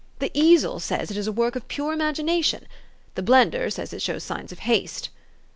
'The Easel' says it is a work of pure imagination. 'The Blender' says it shows signs of haste."